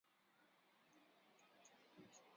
غیږه مې ستا د غیږ ټکور غواړي